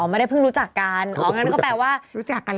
ไม่ได้เพิ่งรู้จักกันอ๋องั้นก็แปลว่ารู้จักกัน